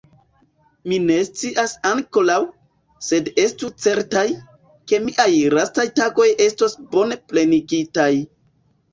Mi ne scias ankoraŭ; sed estu certaj, ke miaj lastaj tagoj estos bone plenigitaj.